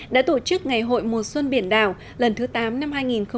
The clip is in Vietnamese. đã tổ chức ngày hội mùa xuân biển đảo lần thứ tám năm hai nghìn một mươi chín